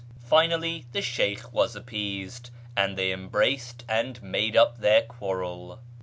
Finally the Sheykh was appeased, and they embraced and made up their quarrel.